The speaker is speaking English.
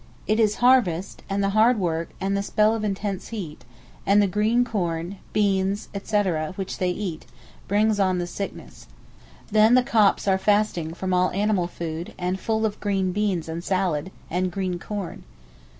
It is harvest, and the hard work, and the spell of intense heat, and the green corn, beans, etc., which they eat, brings on the sickness. Then the Copts are fasting from all animal food, and full of green beans and salad, and green corn.